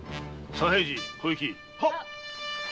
小雪！